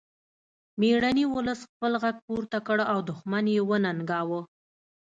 میړني ولس خپل غږ پورته کړ او دښمن یې وننګاوه